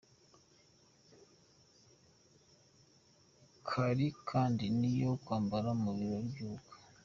Hari kandi niyo kwambara mu birori byubukwe.